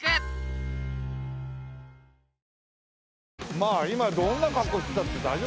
まあ今どんな格好してたって大丈夫。